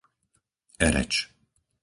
Ereč